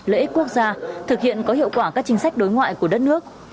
lợi ích quốc gia thực hiện có hiệu quả các chính sách đối ngoại của đất nước